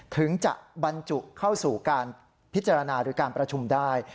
ถึงจะบรรจุเข้าสู่การพิจารณาหรือการประชุมได้